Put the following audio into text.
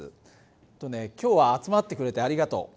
えっとね今日は集まってくれてありがとう。